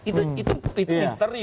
itu misteri buat saya